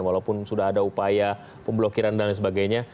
walaupun sudah ada upaya pemblokiran dan lain sebagainya